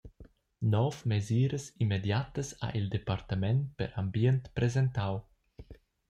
Nov mesiras immediatas ha il departament per ambient presentau.